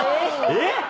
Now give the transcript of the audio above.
⁉えっ⁉